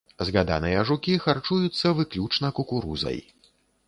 Згаданыя жукі харчуюцца выключна кукурузай.